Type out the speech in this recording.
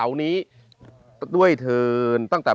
ขอบุญกุศล